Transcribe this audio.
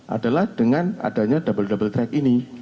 adalah dengan adanya double double track ini